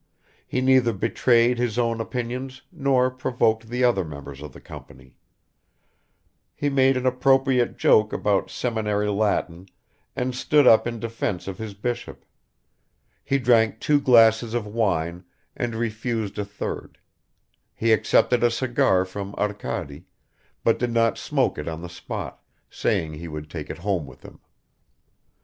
He neither betrayed his own opinions nor provoked the other members of the company; he made an appropriate joke about seminary Latin and stood up in defense of his bishop; he drank two glasses of wine and refused a third; he accepted a cigar from Arkady, but did not smoke it on the spot, saying he would take it home with him.